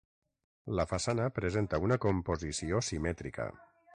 La façana presenta una composició simètrica.